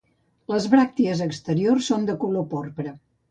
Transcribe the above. Les bràctees exteriors són de color porpra.